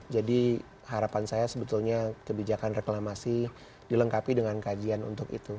jadi harapan saya sebetulnya kebijakan reklamasi dilengkapi dengan kajian untuk itu